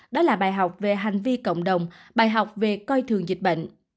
đó là bài học về hành vi cộng đồng bài học về coi thường dịch bệnh